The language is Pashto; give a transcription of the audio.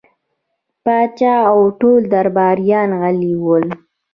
پاچا او ټول درباريان غلي ول.